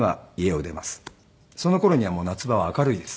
その頃にはもう夏場は明るいです。